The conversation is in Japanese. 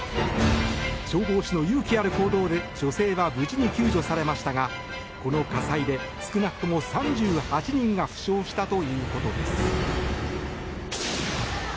消防士の勇気ある行動で女性は無事に救助されましたがこの火災で少なくとも３８人が負傷したということです。